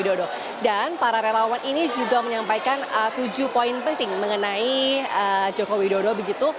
dan para relawan ini juga menyampaikan tujuh poin penting mengenai jokowi dodo begitu